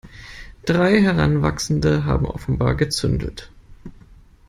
Drei Heranwachsende haben offenbar gezündelt.